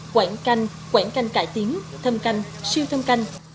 quảng canh quảng canh cải tiến thâm canh siêu thâm canh